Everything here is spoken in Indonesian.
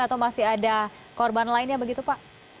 atau masih ada korban lainnya begitu pak